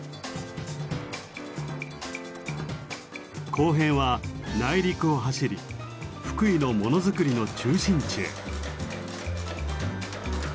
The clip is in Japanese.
後編は内陸を走り福井のものづくりの中心地へ。